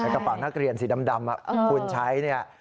กระเป๋านักเรียนสีดำคุณใช้เนี่ย